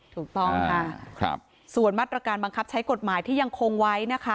ถูกต้องค่ะส่วนมาตรการบังคับใช้กฎหมายที่ยังคงไว้นะคะ